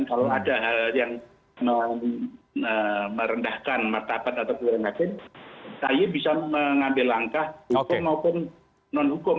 kalau ada hal yang merendahkan martabat atau keluaran hakim kaye bisa mengambil langkah hukum maupun non hukum